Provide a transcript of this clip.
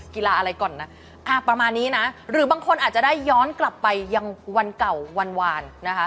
กีฬาอะไรก่อนนะประมาณนี้นะหรือบางคนอาจจะได้ย้อนกลับไปยังวันเก่าวันวานนะคะ